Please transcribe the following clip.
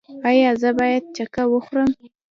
ایا زه باید چکه وخورم؟